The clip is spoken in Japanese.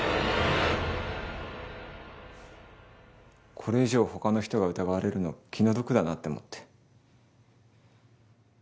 これ以上他の人が疑われるの気の毒だなって思って。